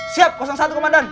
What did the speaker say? siap satu komandan